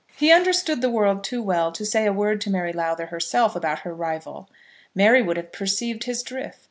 He understood the world too well to say a word to Mary Lowther herself about her rival. Mary would have perceived his drift.